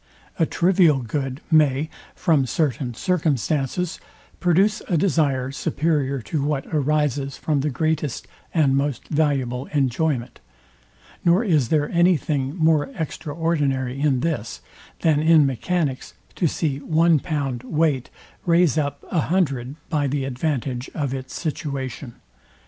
A trivial good may, from certain circumstances, produce a desire superior to what arises from the greatest and most valuable enjoyment; nor is there any thing more extraordinary in this, than in mechanics to see one pound weight raise up a hundred by the advantage of its situation.